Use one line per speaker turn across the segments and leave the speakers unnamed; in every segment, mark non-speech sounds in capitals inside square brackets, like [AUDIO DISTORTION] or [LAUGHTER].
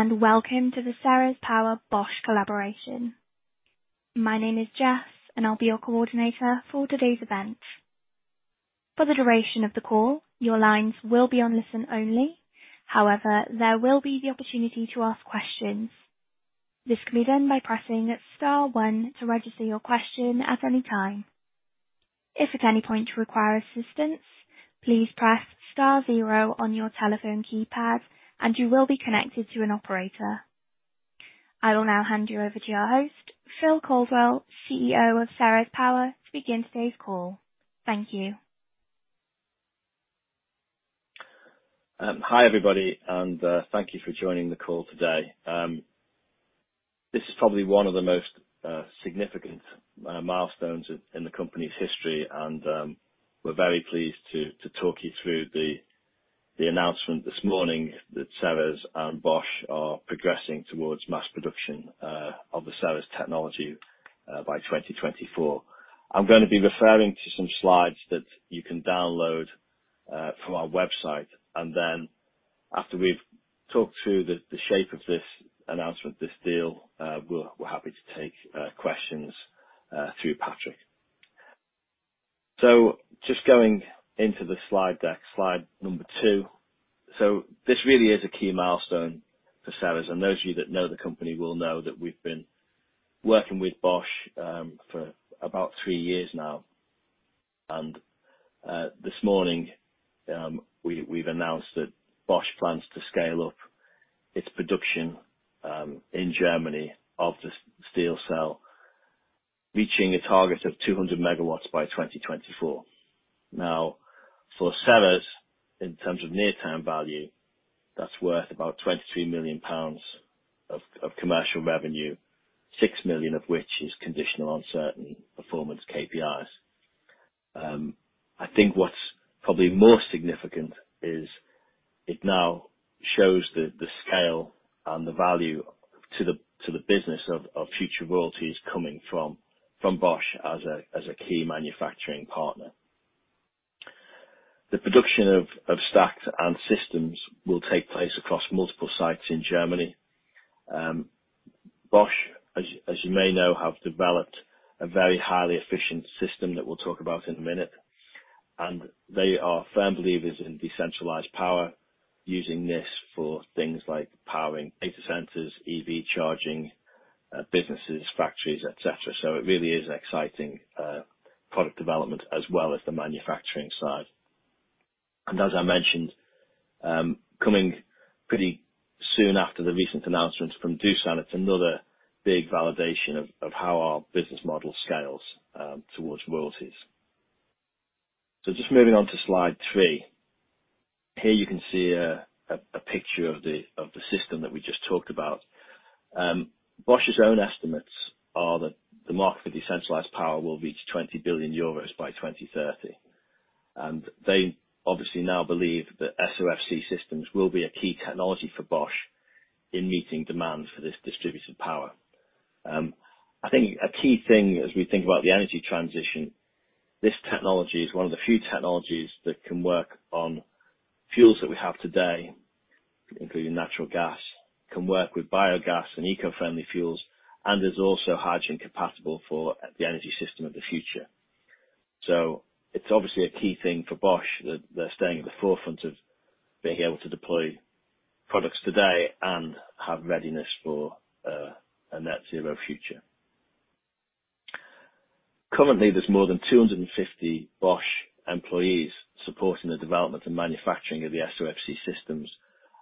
Hello, welcome to the Ceres Power-Bosch collaboration. My name is Jess, and I'll be your coordinator for today's event. For the duration of the call, your lines will be on listen only. However, there will be the opportunity to ask questions. This can be done by pressing star one to register your question at any time. If at any point you require assistance, please press star zero on your telephone keypad, and you will be connected to an operator. I will now hand you over to our host, Phil Caldwell, CEO of Ceres Power, to begin today's call. Thank you.
Hi, everybody, and thank you for joining the call today. This is probably one of the most significant milestones in the company's history. We're very pleased to talk you through the announcement this morning that Ceres and Bosch are progressing towards mass production of the Ceres technology by 2024. I'm going to be referring to some slides that you can download from our website. Then after we've talked through the shape of this announcement, this deal, we're happy to take questions through Patrick. Just going into the slide deck, slide number two. This really is a key milestone for Ceres, and those of you that know the company will know that we've been working with Bosch for about three years now. This morning, we've announced that Bosch plans to scale up its production in Germany of the SteelCell, reaching a target of 200 MW by 2024. For Ceres, in terms of near-term value, that's worth about 23 million pounds of commercial revenue, 6 million of which is conditional on certain performance KPIs. I think what's probably more significant is it now shows the scale and the value to the business of future royalties coming from Bosch as a key manufacturing partner. The production of stacks and systems will take place across multiple sites in Germany. Bosch, as you may know, have developed a very highly efficient system that we'll talk about in a minute, and they are firm believers in decentralized power, using this for things like powering data centers, EV charging, businesses, factories, et cetera. It really is an exciting product development as well as the manufacturing side. As I mentioned, coming pretty soon after the recent announcement from Doosan, it's another big validation of how our business model scales towards royalties. Just moving on to slide three. Here you can see a picture of the system that we just talked about. Bosch's own estimates are that the market for decentralized power will reach 20 billion euros by 2030. They obviously now believe that SOFC systems will be a key technology for Bosch in meeting demand for this distributed power. I think a key thing as we think about the energy transition, this technology is one of the few technologies that can work on fuels that we have today, including natural gas, can work with biogas and eco-friendly fuels, and is also hydrogen compatible for the energy system of the future. It's obviously a key thing for Bosch that they're staying at the forefront of being able to deploy products today and have readiness for a net zero future. Currently, there's more than 250 Bosch employees supporting the development and manufacturing of the SOFC systems,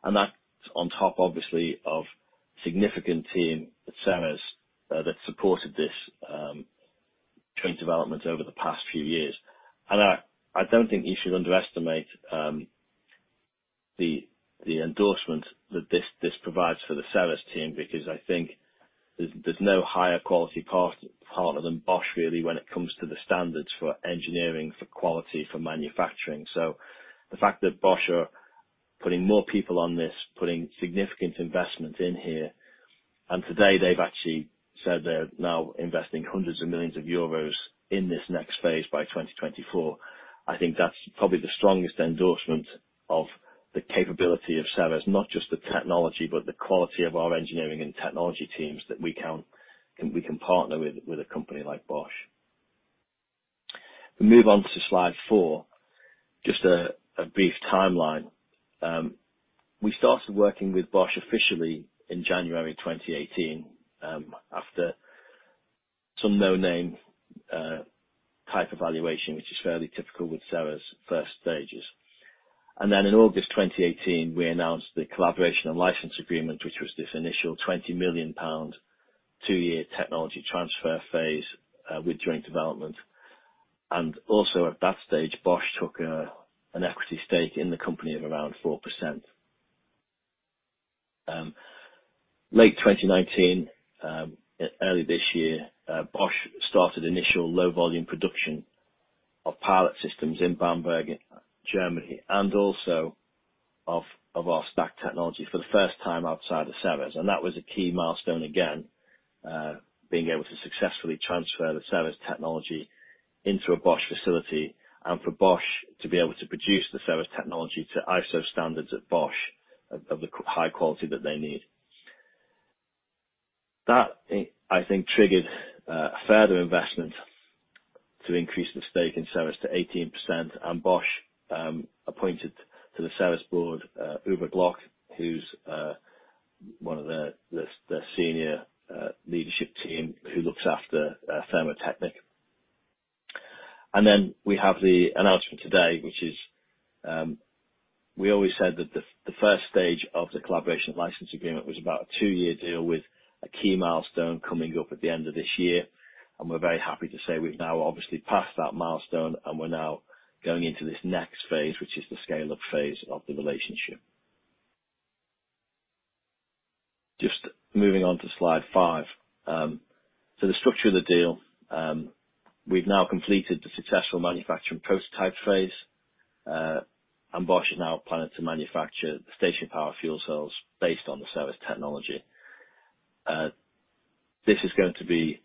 and that's on top, obviously, of significant team at Ceres that supported this joint development over the past few years. I don't think you should underestimate the endorsement that this provides for the Ceres team, because I think there's no higher quality partner than Bosch, really, when it comes to the standards for engineering, for quality, for manufacturing. The fact that Bosch are putting more people on this, putting significant investment in here, and today they've actually said they're now investing hundreds of millions of euros in this next phase by 2024, I think that's probably the strongest endorsement of the capability of Ceres, not just the technology, but the quality of our engineering and technology teams that we can partner with a company like Bosch. We move on to slide four, just a brief timeline. We started working with Bosch officially in January 2018, after some no-name type evaluation, which is fairly typical with Ceres first stages. In August 2018, we announced the collaboration and license agreement, which was this initial 20 million pound, two-year technology transfer phase with joint development. Also at that stage, Bosch took an equity stake in the company of around 4%. Late 2019, early this year, Bosch started initial low volume production of pilot systems in Bamberg, Germany, and also of our stack technology for the first time outside of Ceres. That was a key milestone again being able to successfully transfer the Ceres technology into a Bosch facility, and for Bosch to be able to produce the Ceres technology to ISO standards at Bosch of the high quality that they need. That, I think, triggered further investment to increase the stake in Ceres to 18%, Bosch appointed to the Ceres board, Uwe Glock, who is one of their senior leadership team who looks after Thermotechnic. Then we have the announcement today, which is, we always said that the first stage of the collaboration license agreement was about a two-year deal with a key milestone coming up at the end of this year. We are very happy to say we have now obviously passed that milestone, and we are now going into this next phase, which is the scale-up phase of the relationship. Just moving on to slide five. The structure of the deal. We have now completed the successful manufacturing prototype phase, and Bosch is now planning to manufacture the station power fuel cells based on the Ceres technology. This is going to be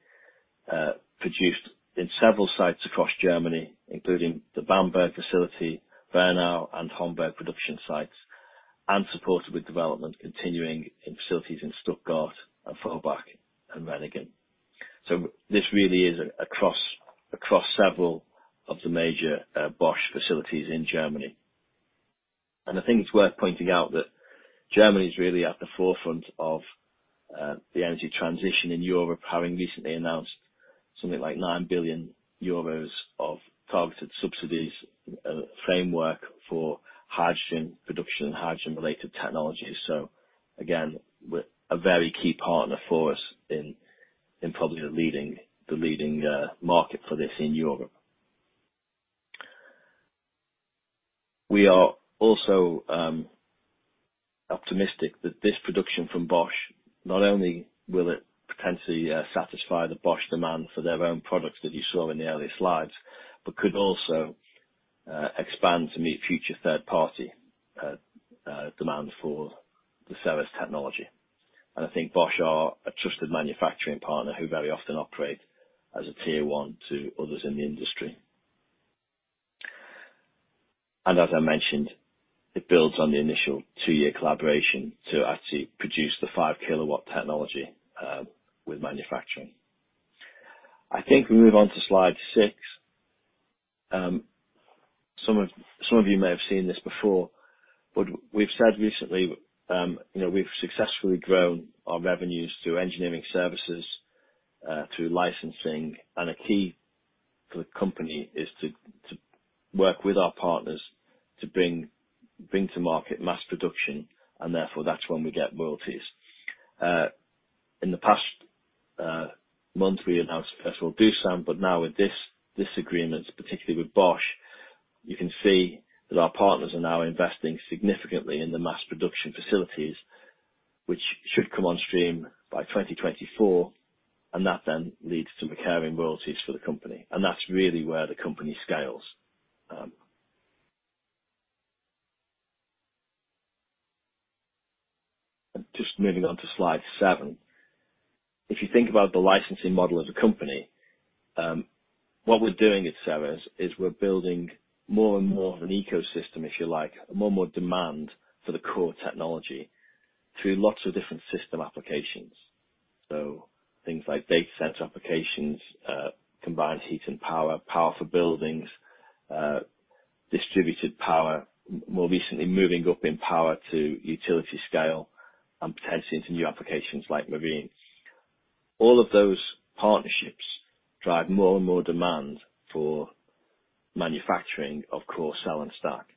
produced in several sites across Germany, including the Bamberg facility, Wernau and Homburg production sites, and supported with development continuing in facilities in Stuttgart and Feuerbach and Renningen. This really is across several of the major Bosch facilities in Germany. I think it's worth pointing out that Germany is really at the forefront of the energy transition in Europe, having recently announced something like 9 billion euros of targeted subsidies, framework for hydrogen production and hydrogen related technologies. Again, a very key partner for us in probably the leading market for this in Europe. We are also optimistic that this production from Bosch, not only will it potentially satisfy the Bosch demand for their own products that you saw in the earlier slides, but could also expand to meet future third-party demand for the Ceres technology. I think Bosch are a trusted manufacturing partner who very often operate as a Tier 1 to others in the industry. As I mentioned, it builds on the initial two-year collaboration to actually produce the five kilowatt technology with manufacturing. I think we move on to slide six. Some of you may have seen this before, but we've said recently, we've successfully grown our revenues through engineering services, through licensing, and a key for the company is to work with our partners to bring to market mass production, and therefore, that's when we get royalties. In the past month, we announced a special Doosan, but now with this agreement, particularly with Bosch, you can see that our partners are now investing significantly in the mass production facilities, which should come on stream by 2024, and that then leads to recurring royalties for the company. That's really where the company scales. Just moving on to slide seven. If you think about the licensing model as a company, what we're doing at Ceres is we're building more and more of an ecosystem, if you like, more and more demand for the core technology through lots of different system applications. Things like data center applications, Combined Heat and Power, power for buildings, distributed power, more recently moving up in power to utility scale and potentially into new applications like marine. All of those partnerships drive more and more demand for manufacturing of core cell and stack.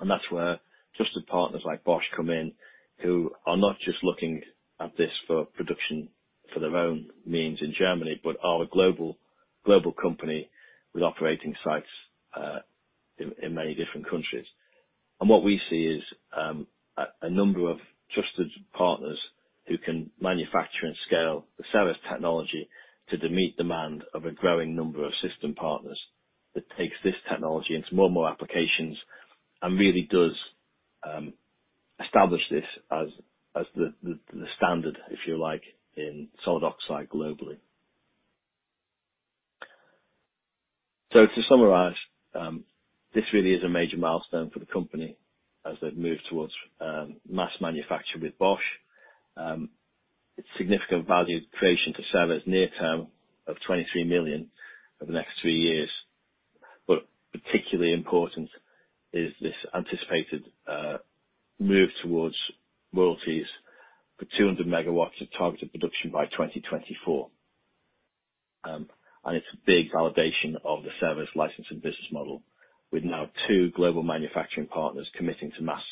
That's where trusted partners like Bosch come in, who are not just looking at this for production for their own means in Germany, but are a global company with operating sites in many different countries. What we see is a number of trusted partners who can manufacture and scale the Ceres technology to meet demand of a growing number of system partners that takes this technology into more and more applications and really does establish this as the standard, if you like, in solid oxide globally. To summarize, this really is a major milestone for the company as they've moved towards mass manufacture with Bosch. It's significant value creation to Ceres near term of 23 million over the next three years. Particularly important is this anticipated move towards royalties for 200 MW of targeted production by 2024. It's a big validation of the Ceres license and business model, with now two global manufacturing partners committing to mass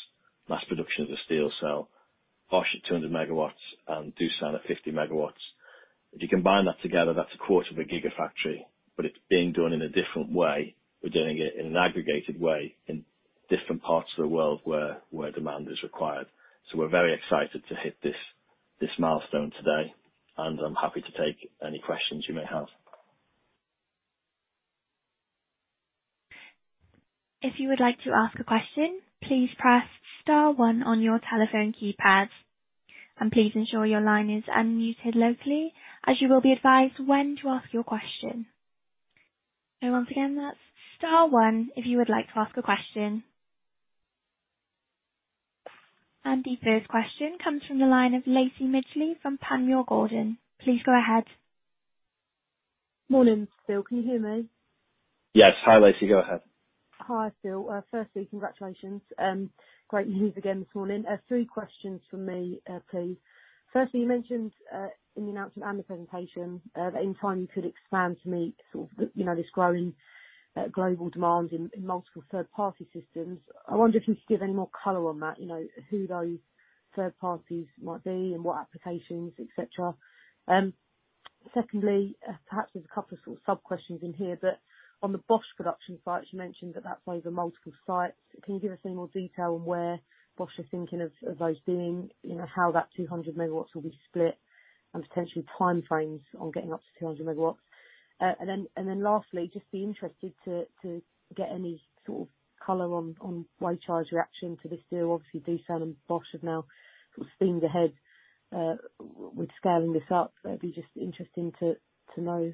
production of the SteelCell, Bosch at 200 MW and Doosan at 50 MW. If you combine that together, that's a quarter of a gigafactory, but it's being done in a different way. We're doing it in an aggregated way in different parts of the world where demand is required. We're very excited to hit this milestone today, and I'm happy to take any questions you may have.
The first question comes from the line of Lacie Midgley from Panmure Gordon. Please go ahead.
Morning, Phil. Can you hear me?
Yes. Hi, Lacie. Go ahead.
Hi, Phil. Firstly, congratulations. Great news again this morning. Three questions from me, please. Firstly, you mentioned, in the announcement and the presentation, that in time you could expand to meet this growing global demand in multiple third-party systems. I wonder if you could give any more color on that, who those third parties might be and what applications, et cetera. Secondly, perhaps there's a couple of sub-questions in here, but on the Bosch production sites, you mentioned that that's over multiple sites. Can you give us any more detail on where Bosch is thinking of those being, how that 200 MW will be split, and potentially time frames on getting up to 200 MW? Lastly, just be interested to get any color on Weichai's reaction to this deal. Obviously, Doosan and Bosch have now steamed ahead with scaling this up. It'd be just interesting to know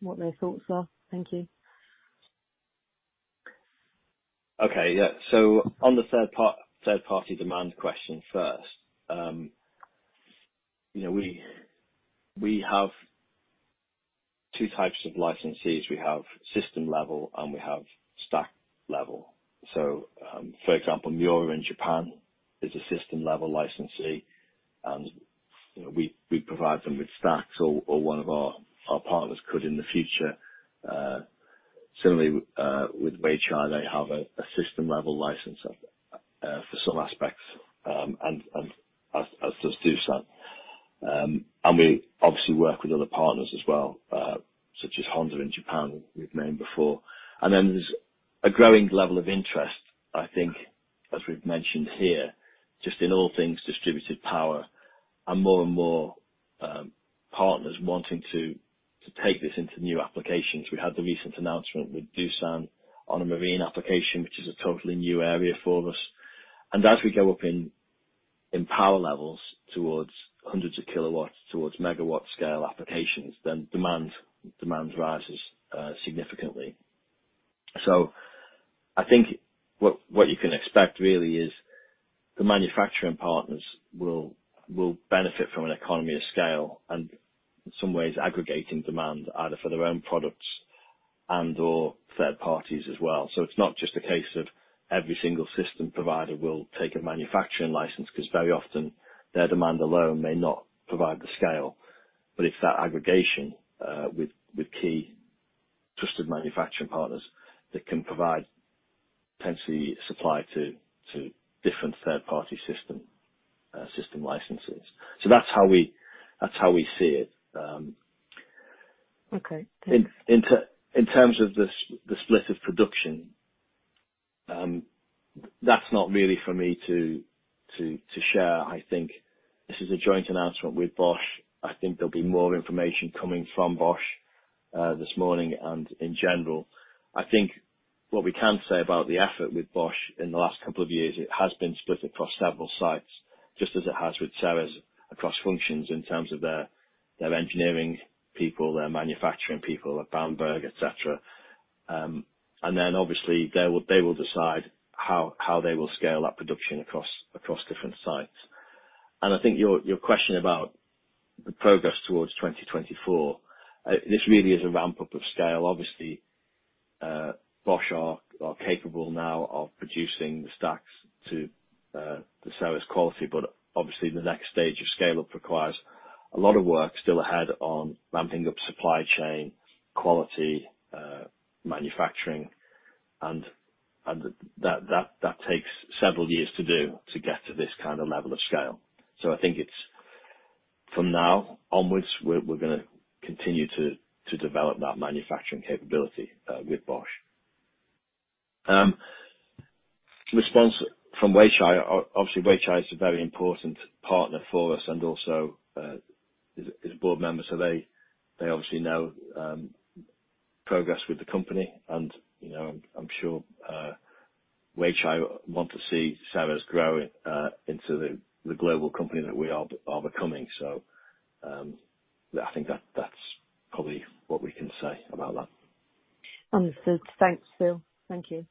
what their thoughts are. Thank you.
Okay. Yeah. On the third-party demand question first. We have two types of licensees. We have system level, and we have stack level. For example, Miura in Japan is a system-level licensee, and we provide them with stacks or one of our partners could in the future. Similarly, with Weichai, they have a system-level license for some aspects, and as does Doosan. We obviously work with other partners as well, such as Honda in Japan, we've named before. Then there's a growing level of interest, I think, as we've mentioned here, just in all things distributed power and more and more partners wanting to take this into new applications. We had the recent announcement with Doosan on a marine application, which is a totally new area for us. As we go up in power levels towards hundreds of kilowatts, towards megawatt scale applications, then demand rises significantly. I think what you can expect really is the manufacturing partners will benefit from an economy of scale, and in some ways aggregating demand either for their own products and/or third parties as well. It's not just a case of every single system provider will take a manufacturing license, because very often their demand alone may not provide the scale. It's that aggregation with key trusted manufacturing partners that can provide potential supply to different third-party system licenses. That's how we see it.
Okay.
In terms of the split of production, that's not really for me to share. I think this is a joint announcement with Bosch. I think there'll be more information coming from Bosch this morning and in general. I think what we can say about the effort with Bosch in the last couple of years, it has been split across several sites, just as it has with Ceres across functions in terms of their engineering people, their manufacturing people at Bamberg, et cetera. Obviously, they will decide how they will scale that production across different sites. I think your question about the progress towards 2024, this really is a ramp-up of scale. Obviously, Bosch are capable now of producing the stacks to the cell quality, but obviously the next stage of scale-up requires a lot of work still ahead on ramping up supply chain, quality, manufacturing, and that takes several years to do to get to this kind of level of scale. I think from now onwards, we're going to continue to develop that manufacturing capability with Bosch. Response from Weichai, obviously Weichai is a very important partner for us and also is a board member. They obviously know progress with the company, and I'm sure Weichai want to see Ceres grow into the global company that we are becoming. I think that's probably what we can say about that.
Understood. Thanks, Phil. Thank you.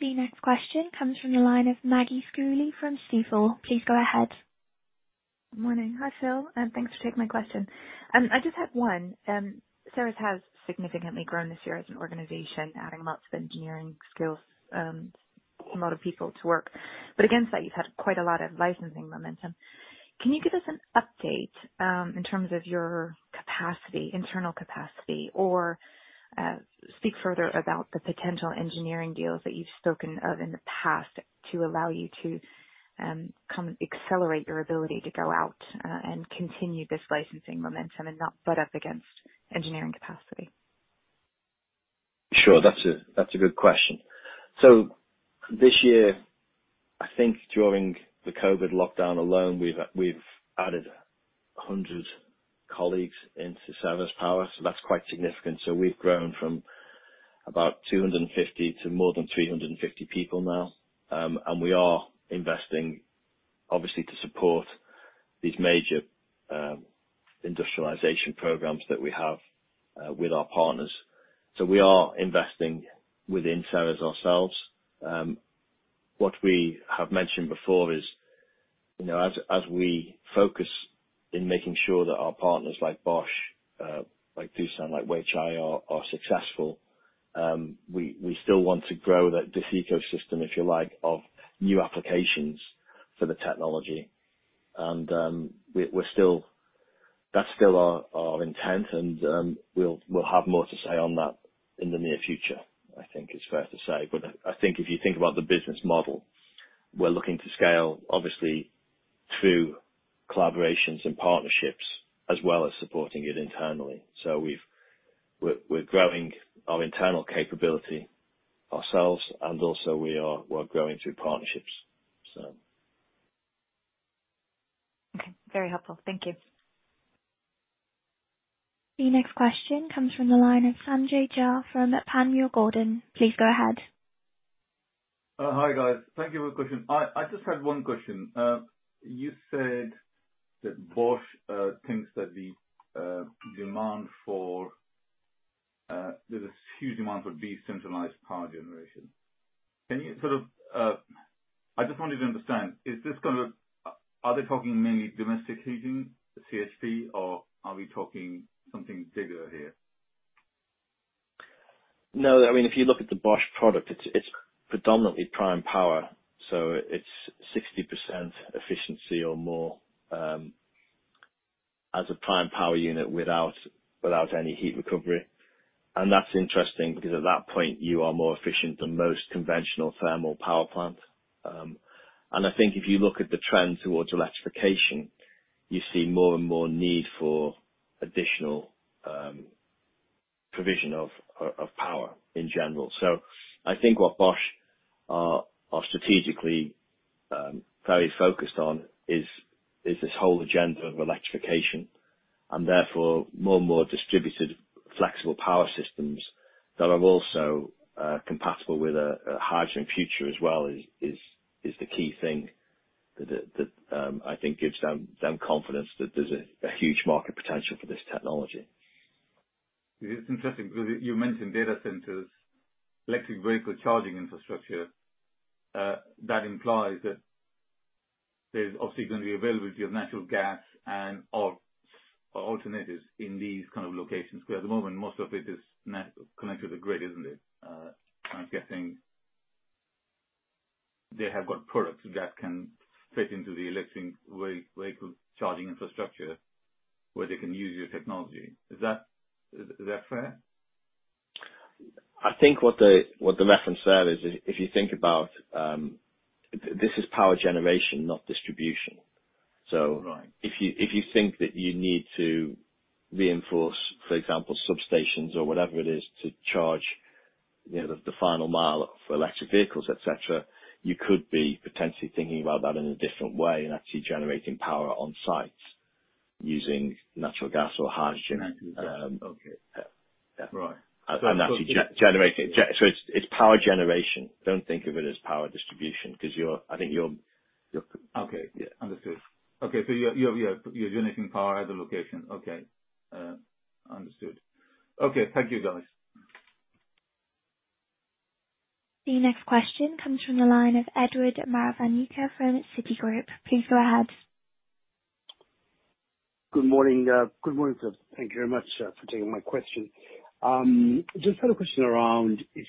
The next question comes from the line of Maggie [AUDIO DISTORTION] from Stifel. Please go ahead.
Morning. Hi, Phil. Thanks for taking my question. I just had one. Ceres has significantly grown this year as an organization, adding lots of engineering skills from a lot of people to work. Against that, you've had quite a lot of licensing momentum. Can you give us an update, in terms of your internal capacity or speak further about the potential engineering deals that you've spoken of in the past to allow you to accelerate your ability to go out and continue this licensing momentum and not butt up against engineering capacity?
Sure. That's a good question. This year-I think during the COVID lockdown alone, we've added 100 colleagues into Ceres Power, that's quite significant. We've grown from about 250 to more than 350 people now. We are investing obviously to support these major industrialization programs that we have with our partners. We are investing within Ceres ourselves. What we have mentioned before is, as we focus in making sure that our partners like Bosch, like Doosan, like Weichai are successful, we still want to grow this ecosystem, if you like, of new applications for the technology. That's still our intent and we'll have more to say on that in the near future, I think it's fair to say. I think if you think about the business model, we're looking to scale obviously through collaborations and partnerships as well as supporting it internally. We're growing our internal capability ourselves, and also we are growing through partnerships.
Okay. Very helpful. Thank you.
The next question comes from the line of Sanjay Jha from Panmure Gordon. Please go ahead.
Hi, guys. Thank you for the question. I just had one question. You said that Bosch thinks that there's this huge demand for decentralized power generation. I just wanted to understand, are they talking mainly domestic heating, CHP, or are we talking something bigger here?
No, if you look at the Bosch product, it's predominantly prime power, so it's 60% efficiency or more, as a prime power unit without any heat recovery. That's interesting because at that point you are more efficient than most conventional thermal power plants. I think if you look at the trend towards electrification, you see more and more need for additional provision of power in general. I think what Bosch are strategically very focused on is this whole agenda of electrification, and therefore more and more distributed flexible power systems that are also compatible with a hydrogen future as well is the key thing that I think gives them confidence that there's a huge market potential for this technology.
It's interesting because you mentioned data centers, electric vehicle charging infrastructure. That implies that there's obviously going to be availability of natural gas and alternatives in these kind of locations, because at the moment, most of it is connected to the grid, isn't it? I'm guessing they have got products that can fit into the electric vehicle charging infrastructure where they can use your technology. Is that fair?
I think what the reference there is, if you think about, this is power generation, not distribution.
Right.
If you think that you need to reinforce, for example, substations or whatever it is to charge the final mile for electric vehicles, et cetera, you could be potentially thinking about that in a different way and actually generating power on site using natural gas or hydrogen.
Natural gas. Okay. Right.
Actually generate it. It's power generation. Don't think of it as power distribution because I think you're-.
Okay. Understood. Okay. You're generating power at the location. Okay. Understood. Okay. Thank you, guys.
The next question comes from the line of Edward [AUDIO DISTORTION] from Citigroup. Please go ahead.
Good morning. Thank you very much for taking my question. Just had a question around if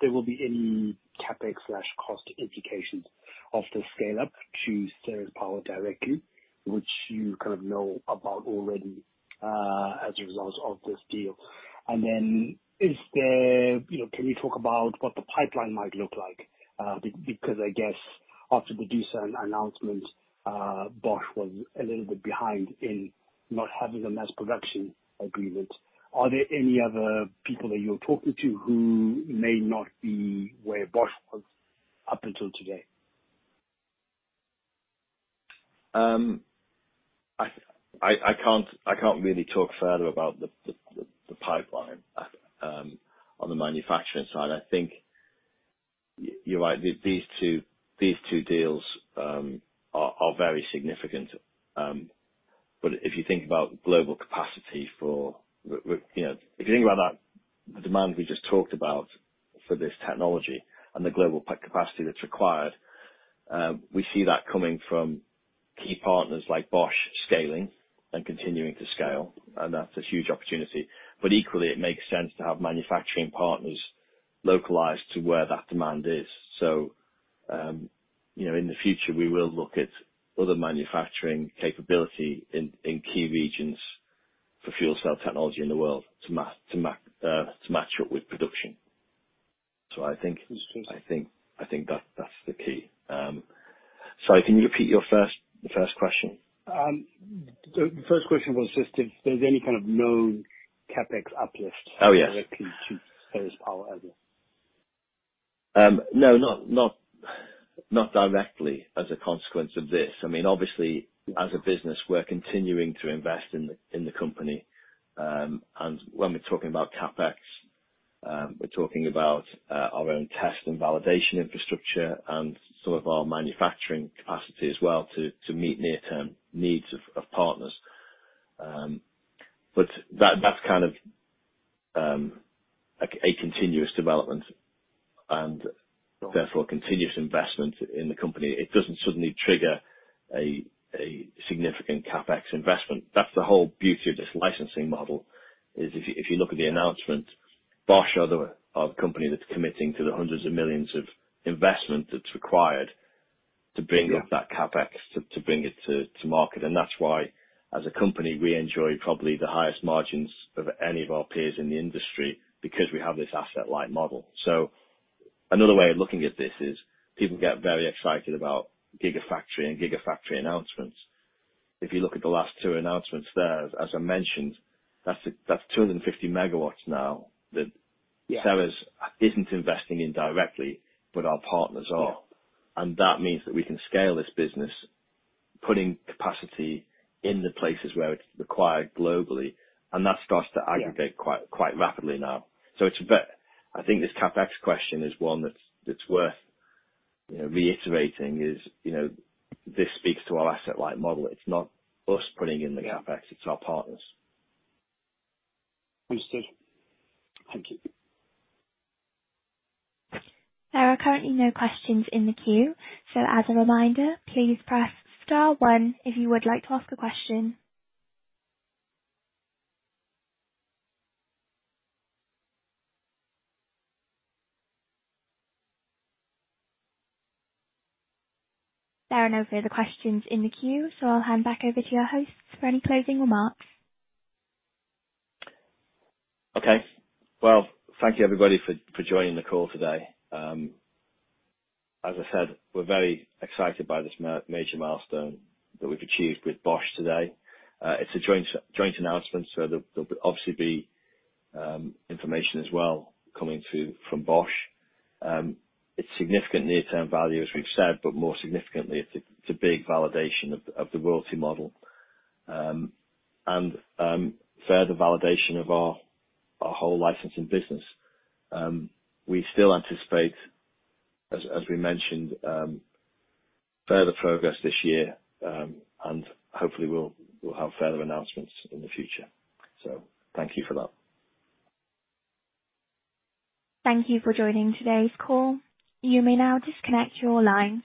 there will be any CapEx/cost implications of the scale-up to Ceres Power directly, which you know about already, as a result of this deal. Can you talk about what the pipeline might look like? Because I guess after the Doosan announcement, Bosch was a little bit behind in not having a mass production agreement. Are there any other people that you're talking to who may not be where Bosch was up until today?
I can't really talk further about the pipeline on the manufacturing side. I think you're right. These two deals are very significant. If you think about that demand we just talked about for this technology and the global capacity that's required, we see that coming from key partners like Bosch scaling and continuing to scale, and that's a huge opportunity. Equally, it makes sense to have manufacturing partners localized to where that demand is. In the future, we will look at other manufacturing capability in key regions for fuel cell technology in the world to match up with production. I think that's the key. Sorry, can you repeat your first question?
The first question was just if there's any kind of known CapEx uplift-
Oh, yes.
directly to Ceres Power as a
No, not directly as a consequence of this. As a business, we're continuing to invest in the company. When we're talking about CapEx, we're talking about our own test and validation infrastructure and some of our manufacturing capacity as well to meet near-term needs of partners. That's kind of a continuous development and therefore continuous investment in the company. It doesn't suddenly trigger a significant CapEx investment. That's the whole beauty of this licensing model, is if you look at the announcement, Bosch are the company that's committing to the hundreds of millions of investment that's required to bring up that CapEx, to bring it to market. That's why, as a company, we enjoy probably the highest margins of any of our peers in the industry, because we have this asset-light model. Another way of looking at this is people get very excited about gigafactory and gigafactory announcements. If you look at the last two announcements there, as I mentioned, that's 250 MW now that Ceres isn't investing in directly, but our partners are.
Yeah.
That means that we can scale this business, putting capacity in the places where it's required globally. That starts to aggregate quite rapidly now. I think this CapEx question is one that's worth reiterating is, this speaks to our asset-light model. It's not us putting in the CapEx, it's our partners.
Understood. Thank you.
There are currently no questions in the queue. So as a reminder, please press star one if you would like to ask a question. There are no further questions in the queue, so I'll hand back over to your hosts for any closing remarks.
Okay. Well, thank you everybody for joining the call today. As I said, we're very excited by this major milestone that we've achieved with Bosch today. It's a joint announcement, so there'll obviously be information as well coming from Bosch. It's significant near-term value, as we've said, but more significantly, it's a big validation of the royalty model and further validation of our whole licensing business. We still anticipate, as we mentioned, further progress this year, and hopefully we'll have further announcements in the future. Thank you for that.
Thank you for joining today's call. You may now disconnect your lines.